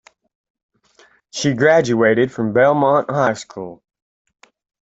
She graduated from Belmont High School.